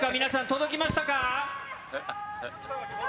届きました！